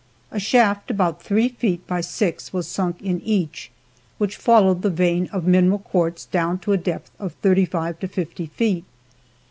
A shaft about three feet by six was sunk in each, which followed the vein of mineral quartz down to a depth of thirty to fifty feet.